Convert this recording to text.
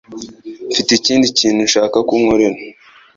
Mfite ikindi kintu nshaka ko unkorera.